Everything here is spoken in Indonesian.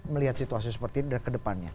melihat situasi seperti ini dan kedepannya